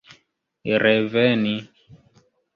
reveni